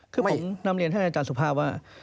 คือผมนำเรียนท่านอาจารย์สุภาพว่า